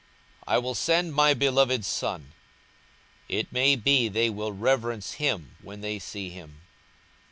I will send my beloved son: it may be they will reverence him when they see him.